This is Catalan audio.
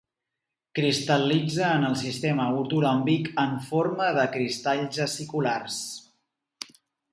Cristal·litza en el sistema ortoròmbic en forma de cristalls aciculars.